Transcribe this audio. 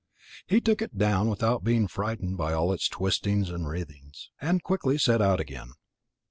He took it down without being frightened by all its twistings and writhings, and quickly set out again.